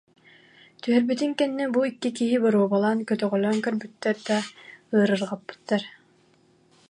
Түһэрбитин кэннэ бу икки киһи боруобалаан көтөҕөлөөн көрбүттэр да, ыарырҕаппыттар